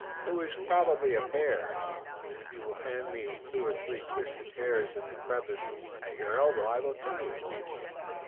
It was probably a bear, and if you will hand me the two or three twisted hairs in the crevice at your elbow I will tell you."